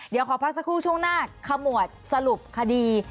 เดี๋ยวขอพักสักครู่ช่วงหน้าขมวดสรุปคดี